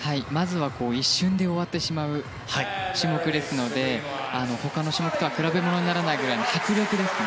一瞬で終わってしまう種目ですので他の種目とは比べ物にならないくらいの迫力ですね。